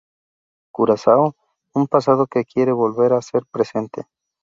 Curazao, un pasado que quiere volver a ser presente